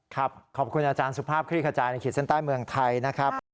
ขอบคุณอาจารย์สุภาพคลี่ขจายในขีดเส้นใต้เมืองไทยนะครับ